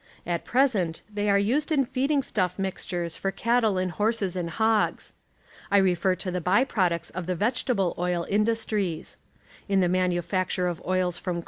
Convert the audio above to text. At ]) resent they are utilized in feeding stuff mixtures for cattle and horses and hogs. ^j ,, I refer to the bv products of the vegetable oil in Veffetable '. dustries. In the manufacture of oils from corn.